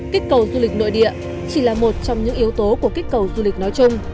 kích cầu du lịch nội địa chỉ là một trong những yếu tố của kích cầu du lịch nói chung